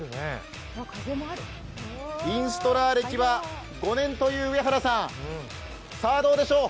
インストラー歴は５年という上原さん、さあ、どうでしょう？